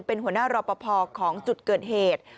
เป็นหัวหน้ารอปภของจุดเกิดเหตุ